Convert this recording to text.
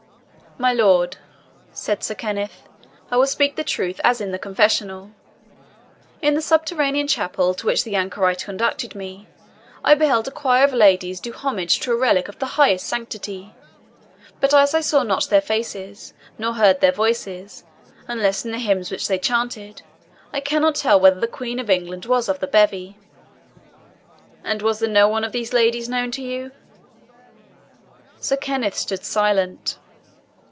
"My lord," said Sir Kenneth, "I will speak the truth as in the confessional. In a subterranean chapel, to which the anchorite conducted me, I beheld a choir of ladies do homage to a relic of the highest sanctity; but as I saw not their faces, nor heard their voices, unless in the hymns which they chanted, I cannot tell whether the Queen of England was of the bevy." "And was there no one of these ladies known to you?" Sir Kenneth stood silent.